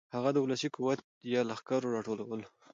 هغه د ولسي قوت یا لښکرو راټولول و.